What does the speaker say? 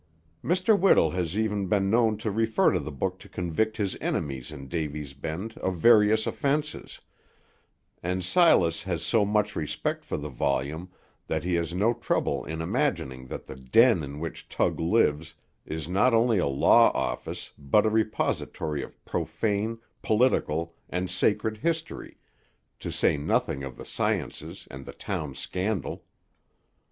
Mr. Whittle has even been known to refer to the book to convict his enemies in Davy's Bend of various offences; and Silas has so much respect for the volume that he has no trouble in imagining that the den in which Tug lives is not only a law office, but a repository of profane, political, and sacred history, to say nothing of the sciences and the town scandal.